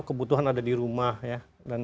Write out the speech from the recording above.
kebutuhan ada di rumah ya dan